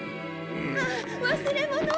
あっわすれもの！